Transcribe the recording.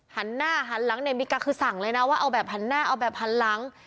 หันหน้าหันหลังเนี่ยมีการคือสั่งเลยนะว่าเอาแบบหันหน้าเอาแบบหันหลัง